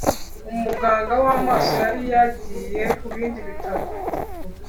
umuganga wamaso yari yagiye kubindi bitaro